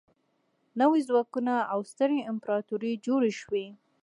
نوي ځواکونه او سترې امپراطورۍ جوړې شوې.